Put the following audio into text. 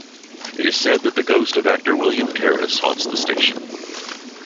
It is said that the ghost of actor William Terriss haunts the station.